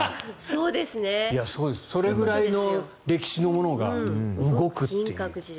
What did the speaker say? それぐらいの歴史のものが動くという。